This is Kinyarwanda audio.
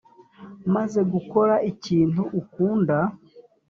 umaze gukora ikintu ukunda,